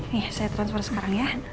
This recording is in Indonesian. nih saya transfer sekarang ya